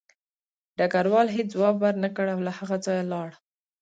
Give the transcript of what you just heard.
ډګروال هېڅ ځواب ورنکړ او له هغه ځایه لاړ